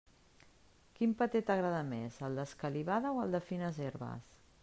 Quin paté t'agrada més, el d'escalivada o el de fines herbes?